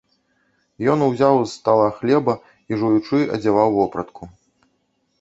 Ён узяў з стала хлеба і, жуючы, адзяваў вопратку.